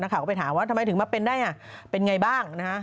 ข่าวก็ไปถามว่าทำไมถึงมาเป็นได้เป็นไงบ้างนะฮะ